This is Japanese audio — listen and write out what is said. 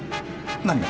何が？